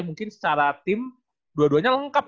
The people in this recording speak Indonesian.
mungkin secara tim dua duanya lengkap